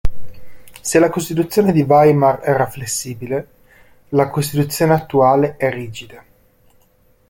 Se la Costituzione di Weimar era flessibile, la Costituzione attuale è rigida.